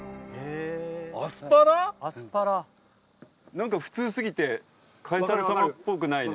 何か普通すぎてカエサル様っぽくないね。